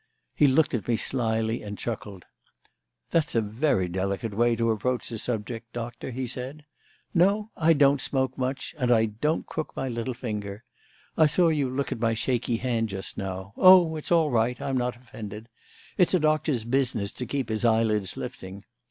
He looked at me slyly and chuckled. "That's a very delicate way to approach the subject, Doctor," he said. "No, I don't smoke much, and I don't crook my little finger. I saw you look at my shaky hand just now oh, it's all right; I'm not offended. It's a doctor's business to keep his eyelids lifting.